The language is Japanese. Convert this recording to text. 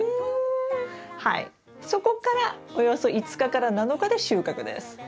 そこからおよそ５日から７日で収穫です。